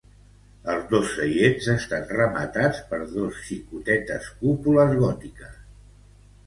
Els dos seients estan rematats per dos xicotetes cúpules gòtiques.